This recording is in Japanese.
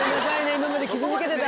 今まで傷つけてた？